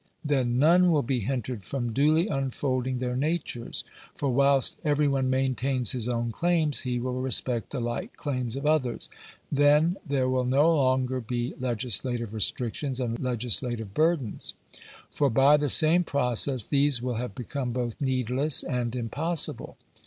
Then, none will be hindered from duly unfolding their natures; for whilst every one maintains his own claims, he will respect the like claims of others. Then, there will no longer be legislative restrictions and legislative burdens; for by the same process these will have become both needless and impossible.